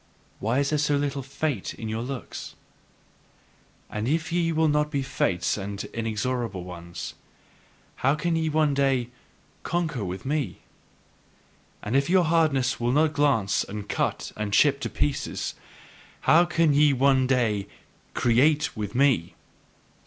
Why is there so little fate in your looks? And if ye will not be fates and inexorable ones, how can ye one day conquer with me? And if your hardness will not glance and cut and chip to pieces, how can ye one day create with me?